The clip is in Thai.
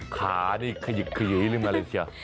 ค่ะนี่ขยิกลึกมาเลยเชียว